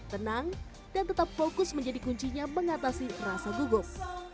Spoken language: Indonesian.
tenang dan tetap fokus menjadi kuncinya mengatasi rasa gugup